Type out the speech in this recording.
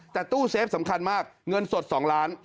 แต่ตู้เซฟสำคัญมากเงินสด๒ล้าน